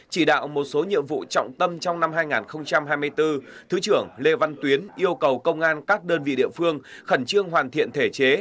chỉ đạo một số nhiệm vụ trọng tâm trong năm hai nghìn hai mươi bốn thứ trưởng lê văn tuyến yêu cầu công an các đơn vị địa phương khẩn trương hoàn thiện thể chế